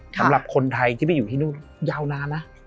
สำหรับคนไทยที่ไปอยู่ที่นู่นยาวนานนะ